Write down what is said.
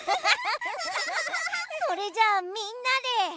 それじゃあみんなで。